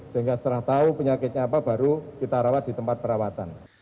sehingga setelah tahu penyakitnya apa baru kita rawat di tempat perawatan